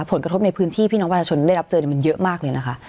ผลกระทบในพื้นที่พี่น้องประชาชนได้รับเจอมันเยอะมากเลยนะคะ